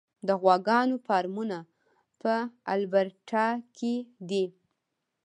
د غواګانو فارمونه په البرټا کې دي.